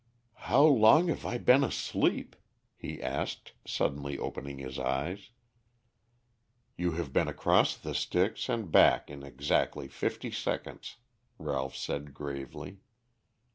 "How long have I been asleep?" he asked, suddenly opening his eyes. "You have been across the Styx and back in exactly fifty seconds," Ralph said gravely.